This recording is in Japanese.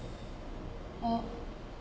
あっ！